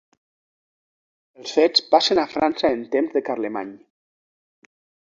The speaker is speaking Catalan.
Els fets passen a França en temps de Carlemany.